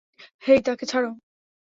হেই, তাকে ছাড়ো!